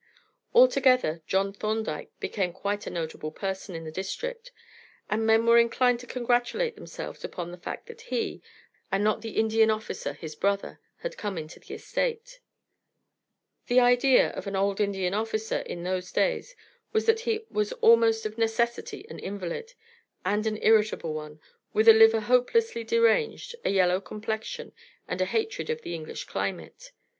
Altogether, John Thorndyke became quite a notable person in the district, and men were inclined to congratulate themselves upon the fact that he, and not the Indian officer, his brother, had come into the estate. The idea of an old Indian officer in those days was that he was almost of necessity an invalid, and an irritable one, with a liver hopelessly deranged, a yellow complexion, and a hatred of the English climate.